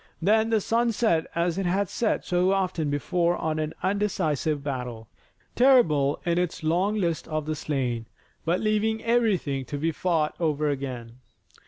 Then the sun set as it had set so often before on an undecisive battle, terrible in its long list of the slain, but leaving everything to be fought over again.